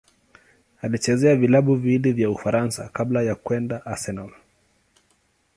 Alichezea vilabu viwili vya Ufaransa kabla ya kwenda Arsenal.